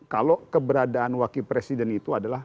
kalau keberadaan wakil presiden itu adalah